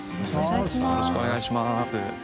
よろしくお願いします。